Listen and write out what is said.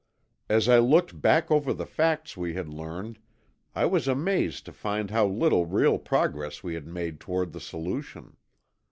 As I looked back over the facts we had learned I was amazed to find how little real progress we had made toward the solution.